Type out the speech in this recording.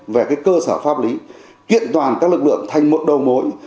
về cơ sở pháp lý kiện toàn các lực lượng thành một đầu mối